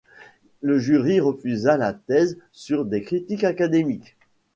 Le jury refusa la thèse sur des critères académiques.